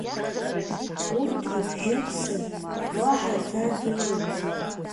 Урҭ дрыбжьымсыр уаҳа царҭа имамызт.